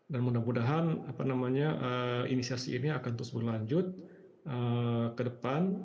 dan mudah mudahan inisiasi ini akan terus berlanjut ke depan